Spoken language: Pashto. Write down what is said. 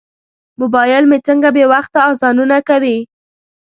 موبایل مې څنګه بې وخته اذانونه کوي.